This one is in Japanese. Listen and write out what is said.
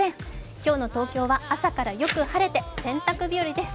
今日の東京は朝からよく晴れて洗濯日和です。